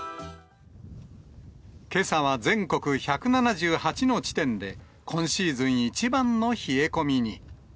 けさは全国１７８の地点で、今シーズン一番の冷え込みに。